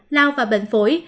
lao và bệnh phủi